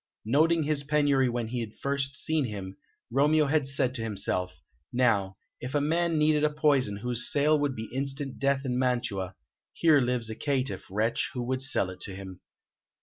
Noting this penury when he had first seen him, Romeo had said to himself: "Now, if a man needed a poison whose sale would be instant death in Mantua, here lives a caitiff wretch who would sell it him."